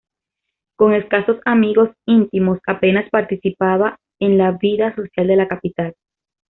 Con escasos amigos íntimos, apenas participaba en la vida social de la capital.